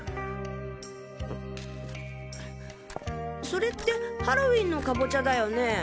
それってハロウィンのカボチャだよね？